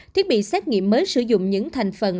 thiết bị xét nghiệm mới sử dụng những thành phần